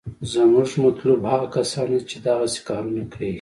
زمونګه مطلوب هغه کسان دي چې دقسې کارونه کيي.